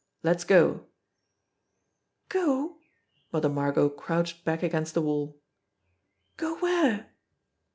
"Let's go !" "Go!" Mother Margot crouched back against the wall. "Go where?"